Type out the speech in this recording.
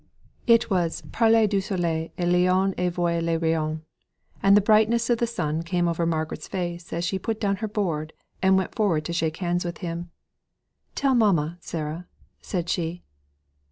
It was "parler du soleil et l'on en voit les rayons;" and the brightness of the sun came over Margaret's face as she put down her board, and went forward to shake hands with him. "Tell mamma, Sarah," said she.